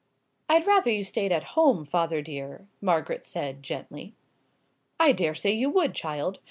"I'd rather you stayed at home, father dear," Margaret said, gently. "I dare say you would, child.